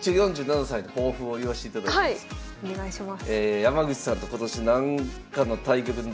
はいお願いします。